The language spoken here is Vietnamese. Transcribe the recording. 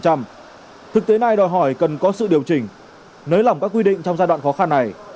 thực tế này đòi hỏi cần có sự điều chỉnh nới lỏng các quy định trong giai đoạn khó khăn này